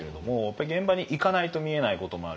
現場に行かないと見えないこともあるし